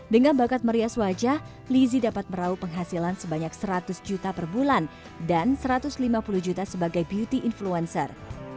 dengan bakat merias wajah lizzie dapat merauh penghasilan sebanyak seratus juta per bulan dan satu ratus lima puluh juta sebagai beauty influencer